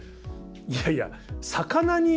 いやいや魚に。